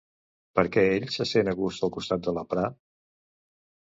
Per què ell se sent a gust al costat de la Prah?